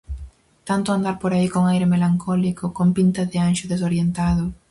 Tanto andar por aí con aire melancólico, con pinta de anxo desorientado...